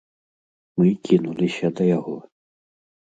Мы кінуліся да яго.